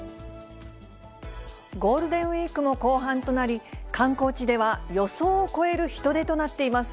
ゴールデンウィークも後半となり、観光地では予想を超える人出となっています。